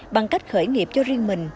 bằng cách khởi nghiệp cho riêng mình